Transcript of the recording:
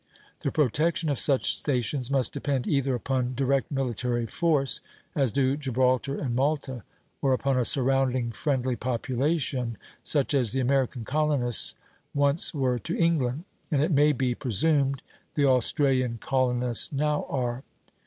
The protection of such stations must depend either upon direct military force, as do Gibraltar and Malta, or upon a surrounding friendly population, such as the American colonists once were to England, and, it may be presumed, the Australian colonists now are.